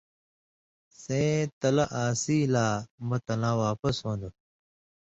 سَیں تلہ آن٘سیۡ لا مہ تلاں واپس ہُون٘دوۡ،